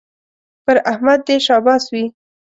پر احمد دې شاباس وي